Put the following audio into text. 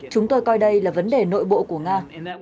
chúng tôi coi đây là vấn đề nội bộ của nga